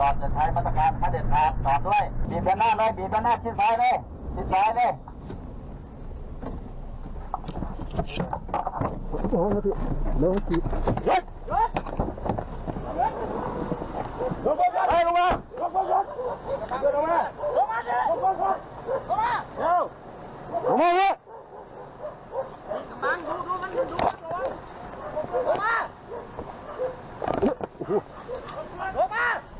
ราเบิ้ลข้าถูกมาหลบมาหลบมาเร็ว